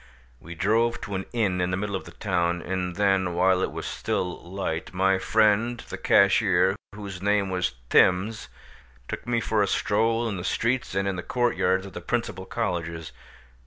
We drove to an inn in the middle of the town, and then, while it was still light, my friend the cashier, whose name was Thims, took me for a stroll in the streets and in the court yards of the principal colleges.